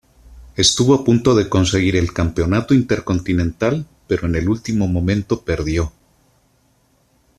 Estuvo a punto de conseguir el Campeonato Intercontinental, pero en el último momento perdió.